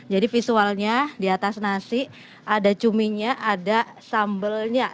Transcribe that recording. jadi visualnya di atas nasi ada cuminya ada sambelnya